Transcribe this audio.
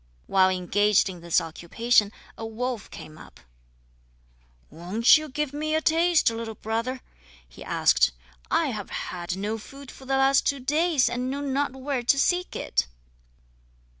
While engaged in this occupation a wolf came up. "Won't you give me a taste, little brother?" he asked. "I have had no food for the last two days, and know not where to seek it."